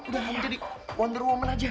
udah mau jadi wonder woman aja